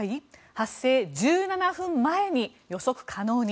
発生１７分前に予測可能に。